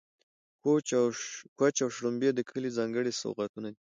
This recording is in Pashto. کوچ او شړومبې د کلي ځانګړي سوغاتونه دي.